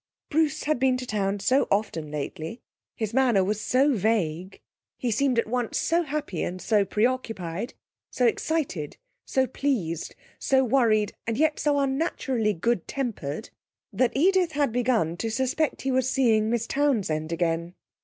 Bruce had been to town so often lately, his manner was so vague, he seemed at once so happy and so preoccupied, so excited, so pleased, so worried, and yet so unnaturally good tempered, that Edith had begun to suspect he was seeing Miss Townsend again.